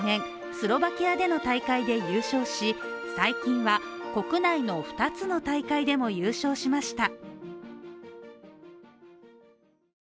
スロバキアでの大会で優勝し、最近は国内の２つの大会でも優勝しました。